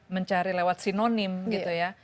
mencari lewat sinonim gitu ya